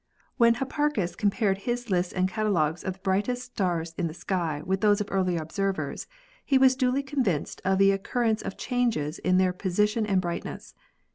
When Hipparchus compared his lists and catalogues of the brightest stars in the sky with those of earlier observers, he was duly convinced of the occur rence of changes in their position and brightness.